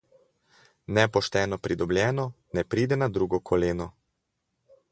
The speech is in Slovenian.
Nepošteno pridobljeno ne pride na drugo koleno.